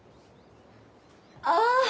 ああ！